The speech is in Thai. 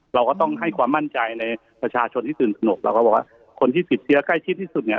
เราก็ต้องให้ความมั่นใจในประชาชนที่ตื่นตนกเราก็บอกว่าคนที่ติดเชื้อใกล้ชิดที่สุดเนี่ย